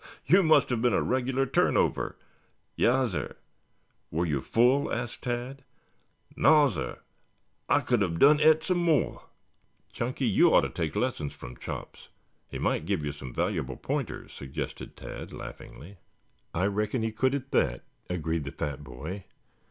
You must have been a regular turn over." "Yassir." "Were you full?" asked Tad. "Nassir. I could hab done et some more." "Chunky, you ought to take lessons from Chops. He might give you some valuable pointers," suggested Tad laughingly. "I reckon he could at that," agreed the fat boy.